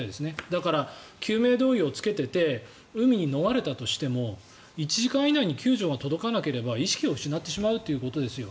だから、救命胴衣を着けていて海に逃れたとしても１時間以内に救助が届かなければ意識を失ってしまうんですよ。